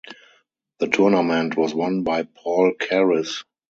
The tournament was won by Paul Keres.